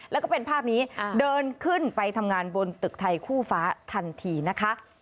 แล้วก็เป็นภาพนี้เดินขึ้นไปทำงานบนตึกไทยคู่ฟ้าทันทีนะคะ